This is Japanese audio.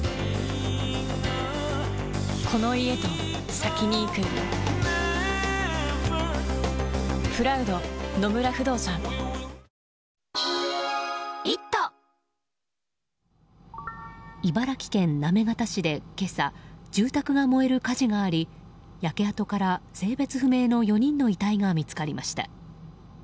東京海上日動茨城県行方市で今朝住宅が燃える火事があり焼け跡から性別不明の４人の遺体が見つかりました。